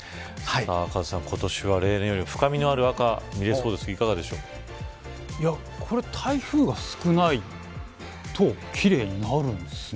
カズさん、今年は例年よりも深みのある赤、見れそうですがこれ、台風が少ないと奇麗になるんですね。